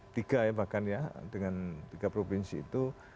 tiga ya bahkan ya dengan tiga provinsi itu